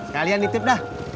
kalian ditip dah